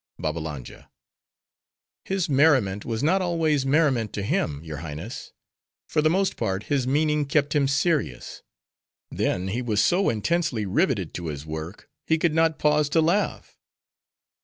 BABBALANJA—His merriment was not always merriment to him, your Highness. For the most part, his meaning kept him serious. Then he was so intensely riveted to his work, he could not pause to laugh.